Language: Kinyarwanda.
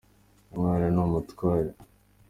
Umwana ni umutware.